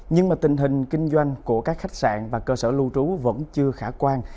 nhưng mà tình hình kinh doanh của các khách sạn và cơ sở lưu trú vẫn chưa khả quan